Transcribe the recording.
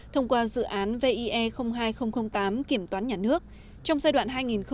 thông qua dự án vie hai nghìn tám kiểm toán nhà nước trong giai đoạn hai nghìn ba hai nghìn một mươi